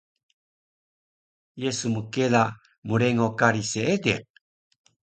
Ye su mkela mrengo kari Seediq?